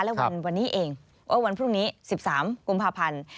และวันนี้เองวันพรุ่งนี้๑๓กุมภาพันธ์